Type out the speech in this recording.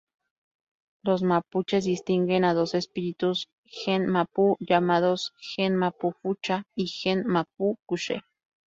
Los Mapuches distinguen a dos espíritus Ngen-mapu, llamados Ngen-mapu-fücha y Ngen-mapu-kushe.